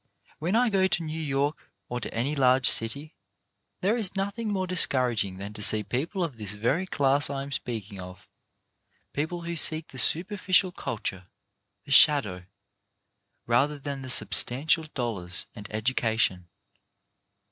When 242 CHARACTER BUILDING I go to New York, or to any large city, there is nothing more discouraging than to see people of this very class I am speaking of, people who seek the superficial culture, the shadow, rather than the substantial dollars and education.